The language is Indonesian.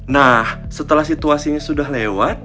nah setelah situasinya sudah lewat